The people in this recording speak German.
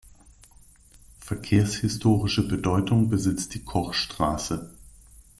Verkehrs-historische Bedeutung besitzt die Kochstraße.